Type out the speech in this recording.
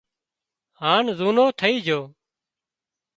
هانَ زُونو ٿئي جھو